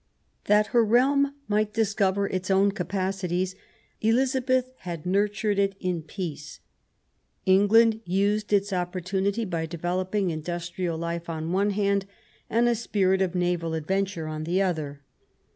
That her realm might discover its own capacities, Elizabeth had nurtured it in peace. England used its opportunity by developing industrial life on one hand, and a spirit of naval adventure on the other.